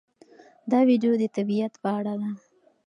دا ویډیو د طبیعت په اړه ده.